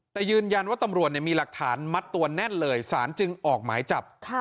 แต่ยืนยันว่าตำรวจมีหลักฐานมัดตัวแน่นเลยสารจึงออกหมายจับ